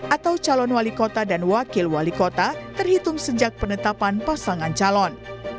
atau calon wali kota dan wakil wali kota terhitung sejak penetapan pasangan calon